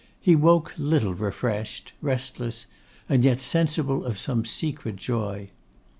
He woke little refreshed; restless, and yet sensible of some secret joy.